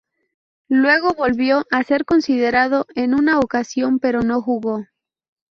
Luego volvió a ser considerado en una ocasión, pero no jugó.